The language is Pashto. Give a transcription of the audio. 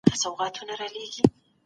سم نیت خوښي نه دروي.